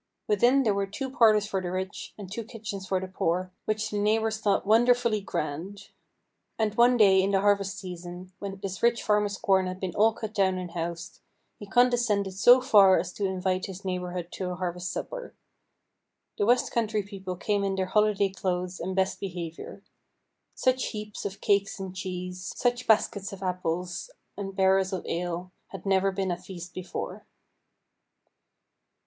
Within, there were two parlours for the rich, and two kitchens for the poor, which the neighbours thought wonderfully grand. And one day in the harvest season, when this rich farmer's corn had been all cut down and housed, he condescended so far as to invite his neighborhood to a harvest supper. The west country people came in their holiday clothes and best behaviour. Such heaps of cakes and cheese, such baskets of apples and barrels of ale, had never been at feast before.